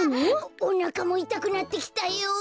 おなかもいたくなってきたよ。